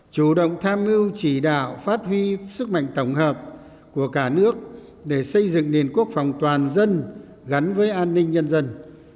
chủ động tham mưu chỉ đạo phát huy sức mạnh tổng hợp của cả nước để xây dựng nền quốc phòng toàn dân gắn với an ninh nhân dân